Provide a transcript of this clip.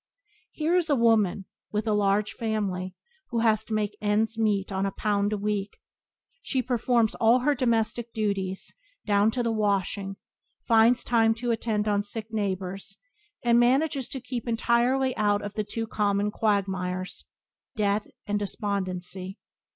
Here is a woman with a large family who has to make ends meet on a pound a week. She performs all her domestic duties, down to the washing, finds time to attend on sick neighbours, and manages to keep entirely out of the two common quagmires — debt and despondency.